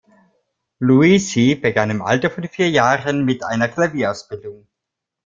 Luisi begann im Alter von vier Jahren mit einer Klavierausbildung.